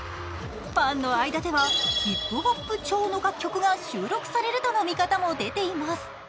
ファンの間ではヒップホップ調の楽曲が収録されるとの見方も出ています。